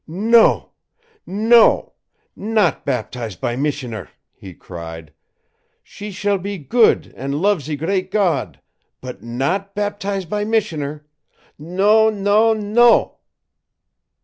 "No no not baptize by missioner!" he cried. "She shall be good, an' love ze great God, but not baptize by missioner! No no no!"